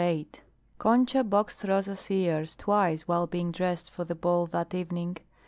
VIII Concha boxed Rosa's ears twice while being dressed for the ball that evening.